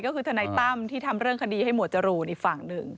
ก็คือทนายตั้มที่ทำเรื่องคดีให้หมวดจรูนอีกฝั่งหนึ่ง